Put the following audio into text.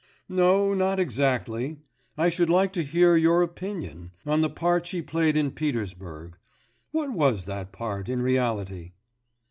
'No, not exactly. I should like to hear your opinion ... on the part she played in Petersburg. What was that part, in reality?